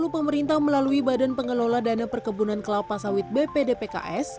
dua ribu dua puluh pemerintah melalui badan pengelola dana perkebunan kelapa sawit bpdpks